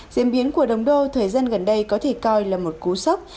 diễn biến của đồng đô thời gian gần đây có thể coi là một cú sốc